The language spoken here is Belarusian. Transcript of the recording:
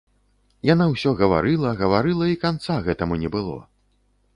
Яна ўсё гаварыла, гаварыла, і канца гэтаму не было.